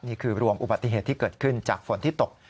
นี่คือรวมอุบัติเหตุที่เกิดขึ้นจากฝนที่ตก